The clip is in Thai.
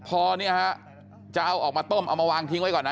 พอนี้จะเอาออกมาต้มเอาออกมาวางพิทย์ไว้ก่อนนะ